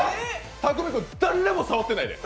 匠海君、誰も触ってないねん。